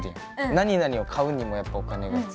何何を買うにもやっぱお金が必要だし。